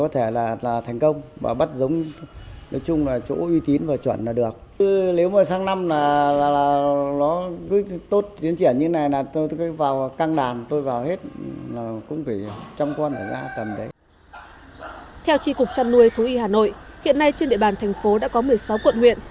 theo tri cục chăn nuôi thú y hà nội hiện nay trên địa bàn thành phố đã có một mươi sáu quận huyện